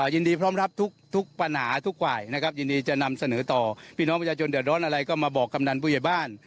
ยินดีพร้อมรับทุกปัญหาทุกฝ่ายนะครับยินดีจะนำเสนอต่อพี่น้องประชาชนเดือดร้อนอะไรก็มาบอกกำนันผู้ใหญ่บ้าน